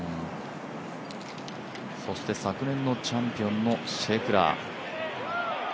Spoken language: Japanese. そして昨年のチャンピオンのシェフラー。